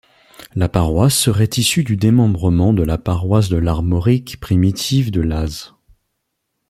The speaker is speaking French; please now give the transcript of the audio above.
La paroisse serait issue du démembrement de la paroisse de l'Armorique primitive de Laz.